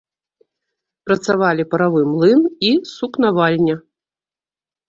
Працавалі паравы млын і сукнавальня.